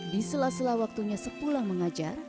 di sela sela waktunya sepulang mengajar